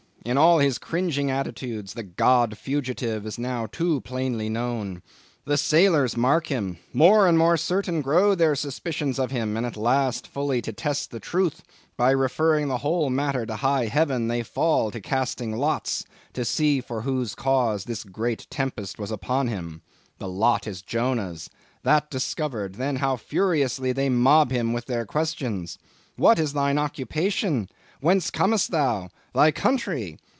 In all his cringing attitudes, the God fugitive is now too plainly known. The sailors mark him; more and more certain grow their suspicions of him, and at last, fully to test the truth, by referring the whole matter to high Heaven, they fall to casting lots, to see for whose cause this great tempest was upon them. The lot is Jonah's; that discovered, then how furiously they mob him with their questions. 'What is thine occupation? Whence comest thou? Thy country?